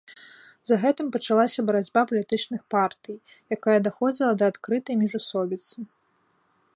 За гэтым пачалася барацьба палітычных партый, якая даходзіла да адкрытай міжусобіцы.